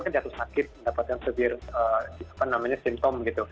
karena jatuh sakit mendapatkan severe simptom